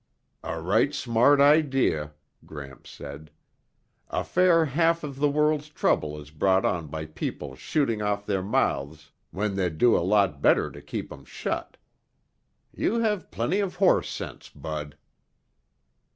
"A right smart idea," Gramps said. "A fair half of the world's trouble is brought on by people shooting off their mouths when they'd do a lot better to keep 'em shut. You have plenty of horse sense, Bud."